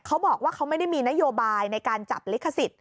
เขาบอกว่าเขาไม่ได้มีนโยบายในการจับลิขสิทธิ